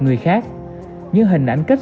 người khác những hình ảnh cách